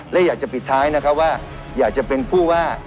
และอยากจะปิดท้ายนะครับว่าอยากจะเป็นผู้ว่า